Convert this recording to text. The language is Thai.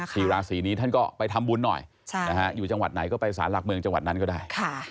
สี่ราศีนี้ท่านก็ไปทำบุญหน่อยอยู่จังหวัดไหนก็ไปสารหลักเมืองจังหวัดนั้นก็ได้